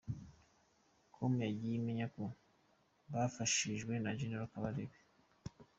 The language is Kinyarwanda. Com yagiye imenya ko bafashijwe na General Kabarebe.